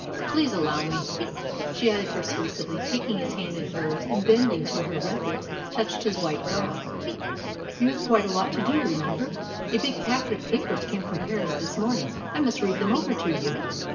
Please allow me," she added persuasively, taking his hand in hers and bending till her red lips touched his white brow. "You have quite a lot to do, remember. A big packet of papers came from Paris this morning. I must read them over to you."